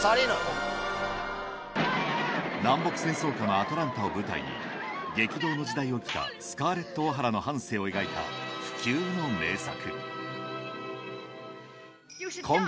南北戦争下のアトランタを舞台に激動の時代を生きたスカーレット・オハラの半生を描いた不朽の名作